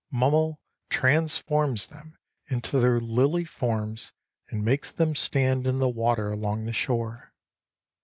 Mummel transforms them into their lily forms and makes them stand in the water along the shore.